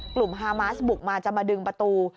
ฮามาสบุกมาจะมาดึงประตู